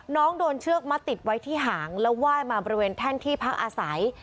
น้องโดนเชือกมัดติดไว้ที่หางแล้วไหว้มาบริเวณแท่นที่พักอาศัย